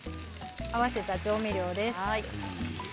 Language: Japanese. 合わせた調味料です。